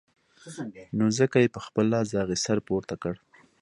نو ځکه يې په خپل لاس د هغې سر پورته کړ.